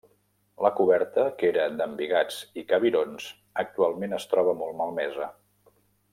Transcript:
La coberta, que era d'embigats i cabirons, actualment es troba molt malmesa.